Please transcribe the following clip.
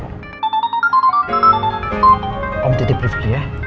om titip rifki ya